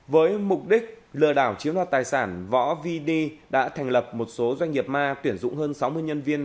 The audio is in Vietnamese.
với mục đích lừa đảo chiếm đoạt tài sản võ vi đê đã thành lập một số doanh nghiệp ma tuyển dụng hơn sáu mươi nhân viên